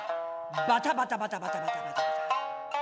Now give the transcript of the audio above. バタバタバタバタバタバタ。